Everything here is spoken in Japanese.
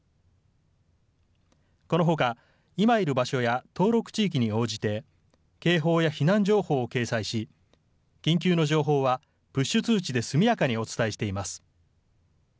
このほか、今いる場所や登録地域に応じて、警報や避難情報を掲載し、緊急の情報はプッシュ通知で速やかにお伝えしています。